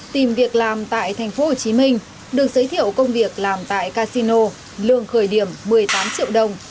tìm việc làm tại tp hcm được giới thiệu công việc làm tại casino lương khởi điểm một mươi tám triệu đồng